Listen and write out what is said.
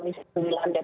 di sikap belajungi